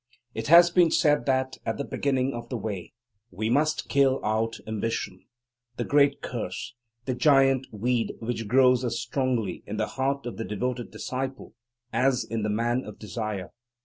It has been said that, at the beginning of the way, we must kill out ambition, the great curse, the giant weed which grows as strongly in the heart of the devoted disciple as in the man of desire.